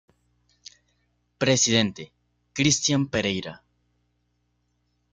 Presidente: Christian Pereira.